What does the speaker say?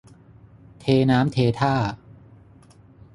เทน้ำเทท่า